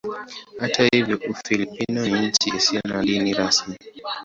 Hata hivyo Ufilipino ni nchi isiyo na dini rasmi.